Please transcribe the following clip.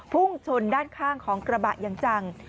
พุ่งชนด้านข้างของกระบะอย่างจัง